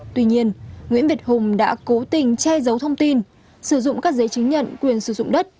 tuy nhiên nguyễn việt hùng đã cố tình che giấu thông tin sử dụng các giấy chứng nhận quyền sử dụng đất